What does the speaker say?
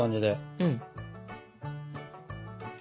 うん。